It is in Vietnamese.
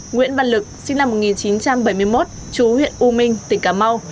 nguyễn văn lực sinh năm một nghìn chín trăm bảy mươi một chú huyện u minh tỉnh cà mau